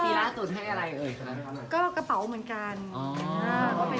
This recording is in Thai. ปีล่าสุดให้อะไรสำหรับพี่โหยังหอบ